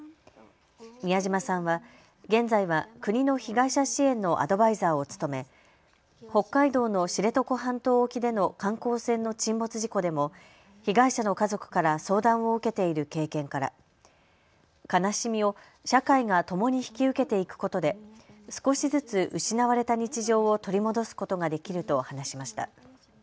美谷島さんは現在は国の被害者支援のアドバイザーを務め北海道の知床半島沖での観光船の沈没事故でも被害者の家族から相談を受けている経験から悲しみを社会がともに引き受けていくことで少しずつ失われた日常を取り戻すことができると話しました。